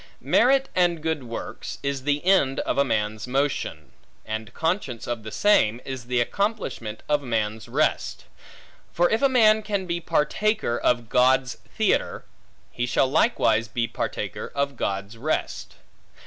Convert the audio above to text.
Merit and good works, is the end of man's motion; and conscience of the same is the accomplishment of man's rest. For if a man can be partaker of God's theatre, he shall likewise be partaker of God's rest.